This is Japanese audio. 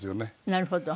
なるほど。